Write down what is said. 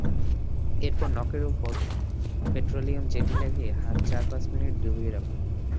এরপর নখের ওপর পেট্রোলিয়াম জেলি লাগিয়ে হাত চার-পাঁচ মিনিট ডুবিয়ে রাখুন।